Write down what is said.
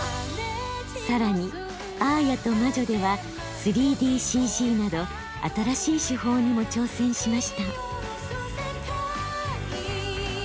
更に「アーヤと魔女」では３ＤＣＧなど新しい手法にも挑戦しました。